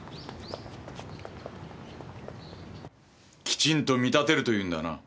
きちんと見立てるというんだな？